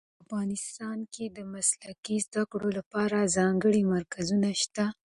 ایا په افغانستان کې د مسلکي زده کړو لپاره ځانګړي مرکزونه شته؟